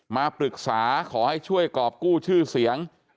มาปรึกษาขอให้ช่วยกรอบกู้ชื่อเสียง